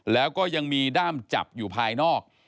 แล้วก็ยังมีด้ามจับอยู่ภายนอก